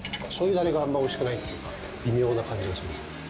だれがあんまおいしくないっていうか、微妙な感じがします。